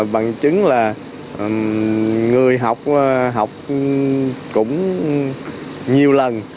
bằng chứng là người học cũng nhiều lần